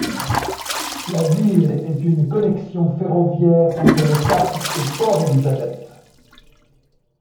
La ville est une connexion ferroviaire entre Le Cap et Port Elizabeth.